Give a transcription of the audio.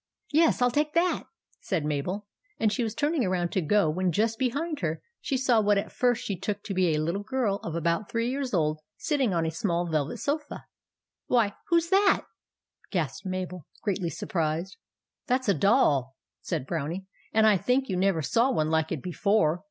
" Yes, I '11 take that," said Mabel ; and she was turning around to go, when just behind her she saw what at first she took to be a little girl of about three years old sitting on a small velvet sofa. "Why — who's that?" gasped Mabel, greatly surprised. "That s a doll," said the Brownie; "and I think you never saw one like it before.